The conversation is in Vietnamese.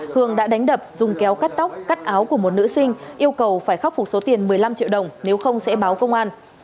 hường đã đánh đập dùng kéo cắt tóc cắt áo của một nữ sinh yêu cầu phải khắc phục số tiền một mươi năm triệu đồng nếu không sẽ báo công an